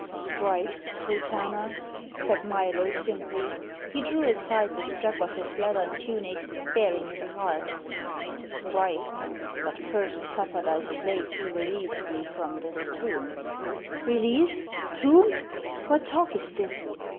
"Strike, Sultana," said Milo simply. He drew aside the strap of his leathern tunic, baring his heart. "Strike, but first suffer thy slave to release thee from this tomb." "Release? Tomb? What talk is this?"